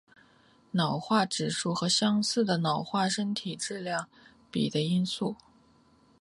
脑化指数和相似的脑部身体质量比的因素。